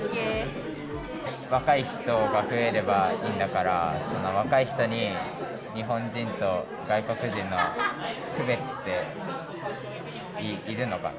若い人が増えればいいんだから、その若い人に日本人と外国人の区別っているのか。